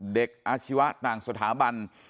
อาชีวะต่างสถาบัน